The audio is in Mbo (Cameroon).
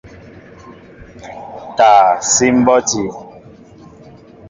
Taa síi mbɔti.